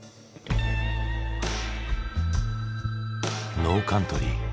「ノーカントリー」。